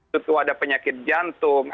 tentu ada penyakit jantung